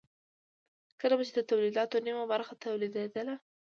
کله به چې د تولیداتو نیمه برخه تولیدېدله